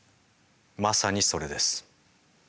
まさにそれです。